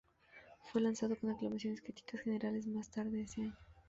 Fue lanzado con aclamaciones críticas generales más tarde ese año.